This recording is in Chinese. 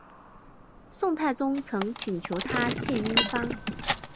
宋太宗曾请求他献医方。